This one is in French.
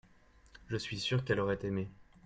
je suis sûr qu'elle aurait aimé.